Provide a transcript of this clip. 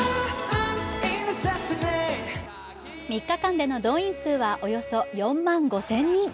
３日間での動員数はおよそ４万５０００人。